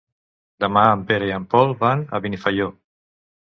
Demà en Pere i en Pol van a Benifaió.